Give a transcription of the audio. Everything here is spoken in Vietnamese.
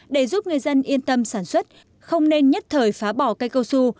để giúp người dân yên tâm sản xuất không nên nhất thời phá bỏ cây cao su